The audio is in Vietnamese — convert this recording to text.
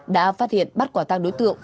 đã phát hiện bắt quả tang đối tượng